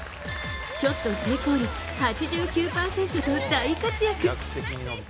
ショット成功率８９％と大活躍！